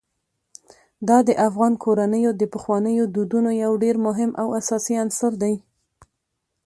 دا د افغان کورنیو د پخوانیو دودونو یو ډېر مهم او اساسي عنصر دی.